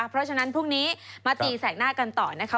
เพราะฉะนั้นพรุ่งนี้มาตีแสกหน้ากันต่อนะคะ